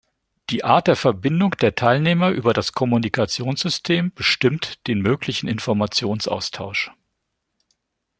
Die Art der Verbindung der Teilnehmer über das Kommunikationssystem bestimmt den möglichen Informationsaustausch.